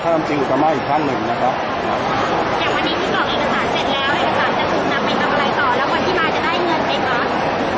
อย่างวันนี้พี่บอกเอกสารเสร็จแล้วเอกสารจะถูกนำไปทำอะไรก่อนแล้วคนที่มาจะได้เงินเป็นเหรอ